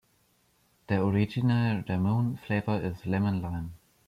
The original ramune flavor is lemon-lime.